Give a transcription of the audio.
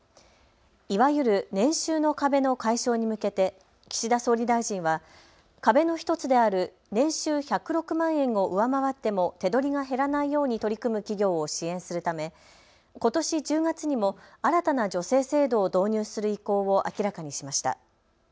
いわゆる年収の壁の解消に向けて岸田総理大臣は壁の１つである年収１０６万円を上回っても手取りが減らないように取り組む企業を支援するためことし１０月にも新たな助成制度を導入する意向を明らかにしました。